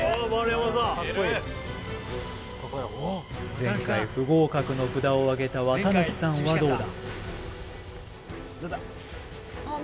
前回不合格の札をあげた綿貫さんはどうだ？